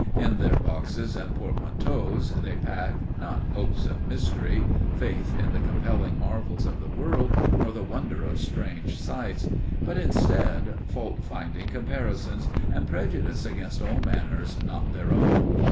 In their boxes and portmanteaus they pack, not hopes of mystery, faith in the compelling marvels of the world, nor the wonder of strange sights; but instead, fault finding comparisons, and prejudice against all manners not their own.